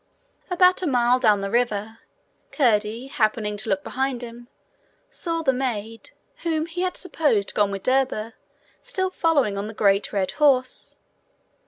About a mile down the river, Curdie, happening to look behind him, saw the maid, whom he had supposed gone with Derba, still following on the great red horse.